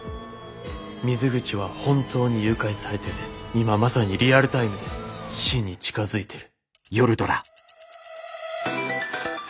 水口は本当に誘拐されてて今まさにリアルタイムで死に近づいてる。